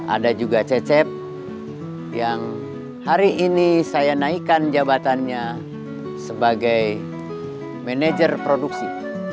ada juga cecep yang hari ini saya naikkan jabatannya sebagai manajer produksi